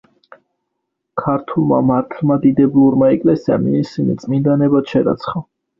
ქართულმა მართლმადიდებლურმა ეკლესიამ ისინი წმინდანებად შერაცხა.